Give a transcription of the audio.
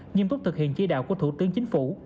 nhiêm túc thực hiện chi đạo của thủ tướng chính phủ